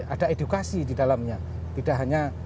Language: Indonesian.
ada edukasi di dalamnya tidak hanya